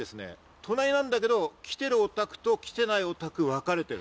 隣なんだけど来てるお宅と来てないお宅、分かれてる。